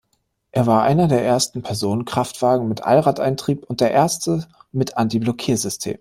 Er war einer der ersten Personenkraftwagen mit Allradantrieb und der erste mit Antiblockiersystem.